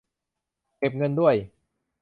เก็บเงินด้วย